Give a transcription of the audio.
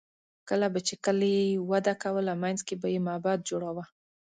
کله به چې کلي وده کوله، منځ کې به یې معبد جوړاوه.